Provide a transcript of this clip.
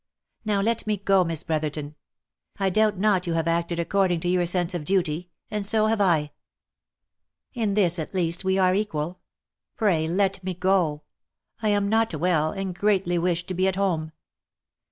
Now let me go, Miss Brotherton. I doubt not you have acted according to your sense of duty, and so have I. In this at least we are equal. Pray let me go ; I am not well, and greatly wish to be at home."